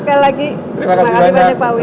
sekali lagi terima kasih banyak pak wi